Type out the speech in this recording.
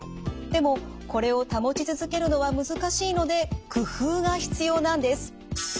でもこれを保ち続けるのは難しいので工夫が必要なんです。